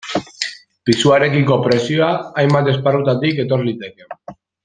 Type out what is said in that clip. Pisuarekiko presioa hainbat esparrutatik etor liteke.